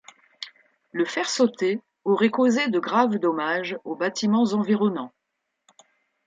Le faire sauter aurait causé de graves dommages aux bâtiments environnants.